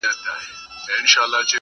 o پلاره مه پرېږده چي ورور مي حرامخور سي,